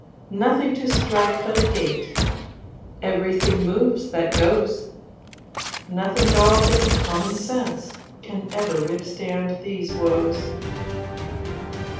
Nothing to strike but a gait; Everything moves that goes. Nothing at all but common sense Can ever withstand these woes.